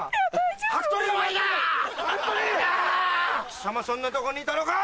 貴様そんなとこにいたのか！